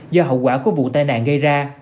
do hậu quả của vụ tai nạn gây ra